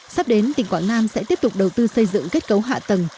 sắp đến tỉnh quảng nam sẽ tiếp tục đầu tư xây dựng kết cấu hạ tầng